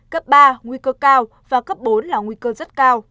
cấp ba nguy cơ cao và cấp bốn là nguy cơ rất cao